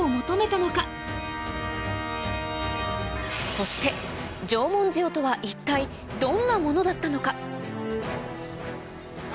そして縄文塩とは一体どんなものだったのか？